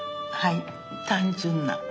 はい単純な。